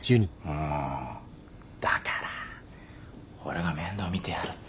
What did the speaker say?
だから俺が面倒見てやるって。